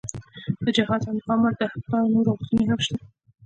د جهاد او مقاومت د حقدارو نورې غوښتنې هم شته.